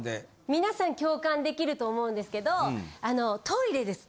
皆さん共感できると思うんですけどあのトイレです！